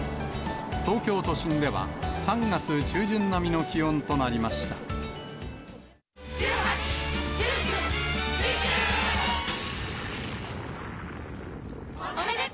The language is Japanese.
東京都心では、３月中旬並みの気温となりました。